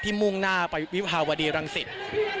มุ่งหน้าไปวิภาวดีรังสิต